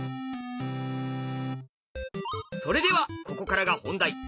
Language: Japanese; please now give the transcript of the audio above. それではここからが本題。